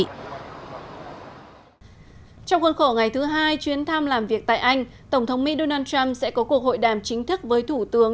trong khuôn khổ ngày thứ hai chuyến thăm làm việc tại anh tổng thống mỹ donald trump sẽ có cuộc hội đàm chính thức với thủ tướng